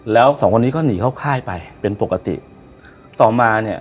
แล้วสองคนนี้ก็หนีเข้าค่ายไปเป็นปกติต่อมาเนี่ย